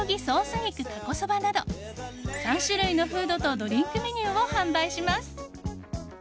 肉タコそばなど３種類のフードとドリンクメニューを販売します。